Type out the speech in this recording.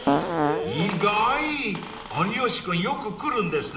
［意外有吉君よく来るんですね］